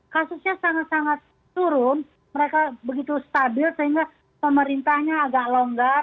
kasusnya sangat sangat turun mereka begitu stabil sehingga pemerintahnya agak longgar